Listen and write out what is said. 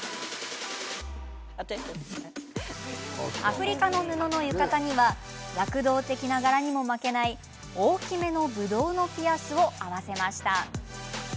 アフリカの布の浴衣には躍動的な柄にも負けない大きめのぶどうのピアスを合わせました。